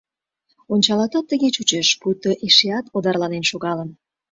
— Ончалатат, тыге чучеш: пуйто эшеат одарланен шогалын.